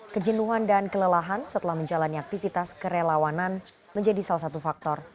kejenuhan dan kelelahan setelah menjalani aktivitas kerelawanan menjadi salah satu faktor